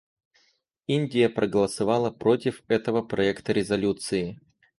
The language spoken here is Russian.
Индия проголосовала против этого проекта резолюции.